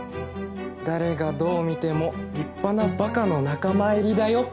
誰がどう見ても立派なバカの仲間入りだよ。